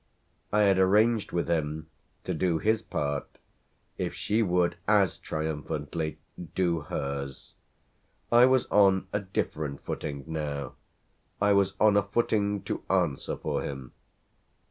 I had arranged with him to do his part if she would as triumphantly do hers. I was on a different footing now I was on a footing to answer for him.